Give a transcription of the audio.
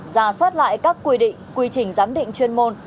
ra soát lại các quy định quy trình giám định chuyên môn